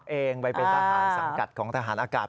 เองไปเป็นทหารสังกัดของทหารอากาศ